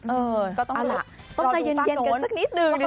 เออเอาล่ะต้องใจเย็นกันสักนิดหนึ่งดิฉันว่าเออก็ต้องรู้รอดูฝั่งโน้น